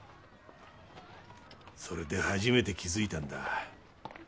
それで初めて気づいたんだ。